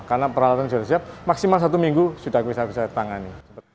karena peralatan sudah siap maksimal satu minggu sudah bisa ditangani